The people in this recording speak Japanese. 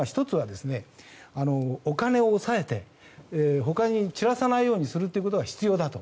というのは、１つはお金を押さえて他に散らさないようにすることが必要だと。